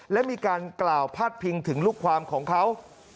และมีการกล่าวพาดพิงถึงลูกความของเขา